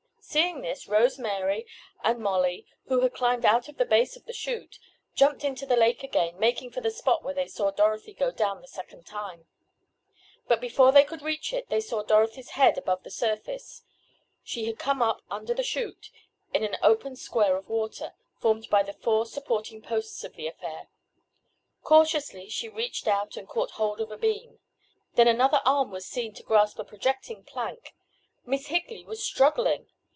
Seeing this Rose Mary and Molly, who had climbed out on the base of the chute, jumped into the lake again, making for the spot where they saw Dorothy go down the second time. But before they could reach it they saw Dorothy's head above the surface. She had come up under the chute, in an open square of water, formed by the four supporting posts of the affair. Cautiously she reached out and caught hold of a beam. Then another arm was seen to grasp a projecting plank! Miss Higley was struggling!